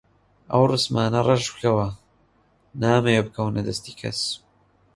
ئەو ڕەسمانە ڕەش بکەوە، نامەوێ بکەونە دەستی کەس.